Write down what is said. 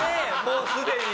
もうすでに。